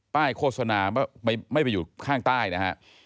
โฆษณาไม่ไปอยู่ข้างใต้นะฮะ